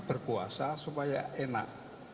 berpuasa supaya enak